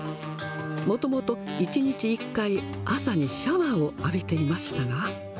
もともと１日１回、朝にシャワーを浴びていましたが。